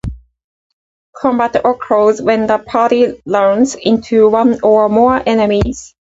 Combat occurs when the party runs into one or more enemies.